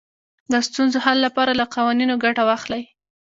د ستونزو حل لپاره له قوانینو ګټه واخلئ.